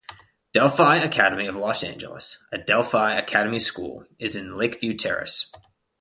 Delphi Academy of Los Angeles, a Delphi Academy school, is in Lake View Terrace.